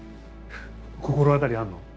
心当たりあるの？